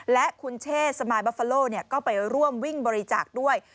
และคุณเชษสมายบัฟฟาโลก็ไปร่วมวิ่งบริจาคด้วย